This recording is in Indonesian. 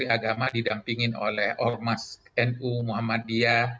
agama didampingin oleh ormas nu muhammadiyah